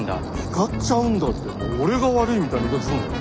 「使っちゃうんだ」って俺が悪いみたいな言い方すんなよ。